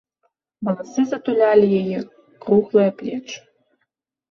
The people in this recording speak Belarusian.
Валасы затулялі яе круглыя плечы.